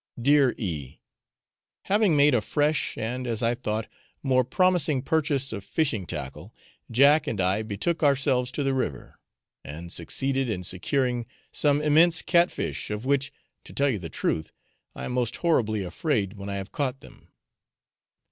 Dear E , Having made a fresh and, as I thought, more promising purchase of fishing tackle, Jack and I betook ourselves to the river, and succeeded in securing some immense cat fish, of which, to tell you the truth, I am most horribly afraid when I have caught them.